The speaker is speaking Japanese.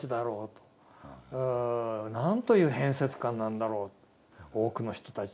何という変節漢なんだろう多くの人たちは。